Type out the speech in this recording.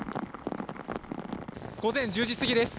午前１０時過ぎです。